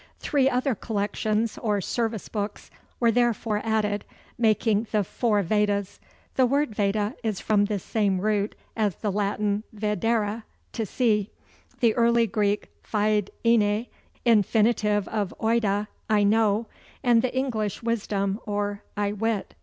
Three other collections or service books were therefore added, making the Four Vedas. The word Veda is from the same root as the Latin vid ere, to see: the early Greek feid enai, infinitive of oida, I know: and the English wisdom, or I wit.